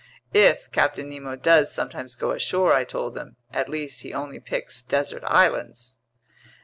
"If Captain Nemo does sometimes go ashore," I told them, "at least he only picks desert islands!"